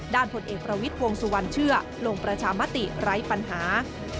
ผลเอกประวิทย์วงสุวรรณเชื่อลงประชามติไร้ปัญหา